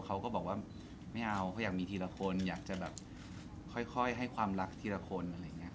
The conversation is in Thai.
เขาก็บอกว่าไม่เอาเขาอยากมีทีละคนอยากจะแบบค่อยให้ความรักทีละคนอะไรอย่างนี้